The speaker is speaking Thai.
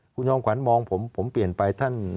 คุณยองขวัญมองผมผมเปลี่ยนไป